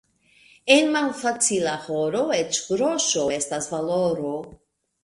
En malfacila horo eĉ groŝo estas valoro.